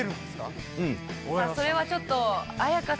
それはちょっと。